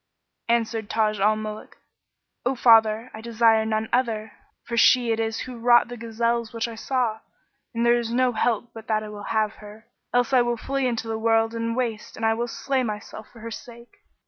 Answered Taj al Muluk, "O my father, I desire none other, for she it is who wrought the gazelles which I saw, and there is no help but that I have her; else I will flee into the world and the waste and I will slay myself for her sake."